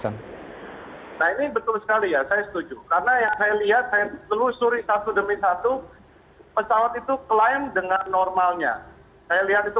nah ini betul sekali ya saya setuju